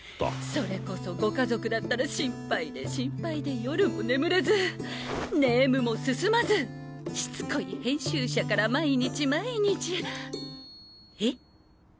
それこそご家族だったら心配で心配で夜も眠れずネームも進まずしつこい編集者から毎日毎日え？